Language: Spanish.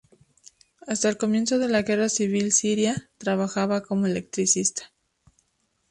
Hasta el comienzo de la guerra civil siria, trabajaba como electricista.